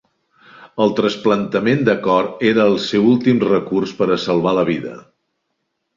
El trasplantament de cor era el seu últim recurs per a salvar la vida.